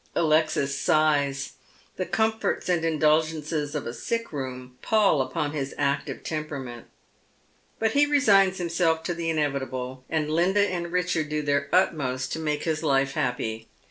Alexis sighs. The comforts and indulgences of a sick room pall upon his active temperament. But he resigns himself to the inevitable, and Linda and Richard do their utmost to make his life happy.